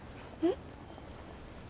えっ？